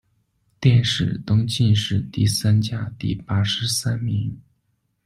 殿试登进士第三甲第八十三名。